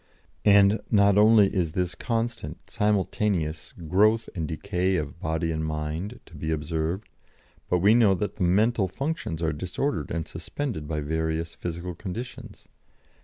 And not only is this constant, simultaneous growth and decay of body and mind to be observed, but we know that mental functions are disordered and suspended by various physical conditions.